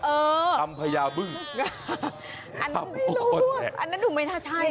เออทำพญาบึ้งอันนั้นไม่รู้อันนั้นดูไม่น่าใช่